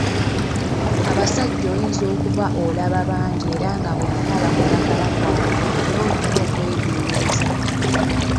Abasajja oyinza okuba olaba bangi era nga bonna bakulaga bakwagala naye olina okwegendereza.